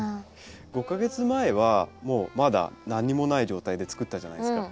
５か月前はまだ何もない状態で作ったじゃないですか。